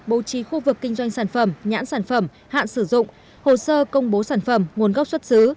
bố trí khu vực kinh doanh sản phẩm nhãn sản phẩm hạn sử dụng hồ sơ công bố sản phẩm nguồn gốc xuất xứ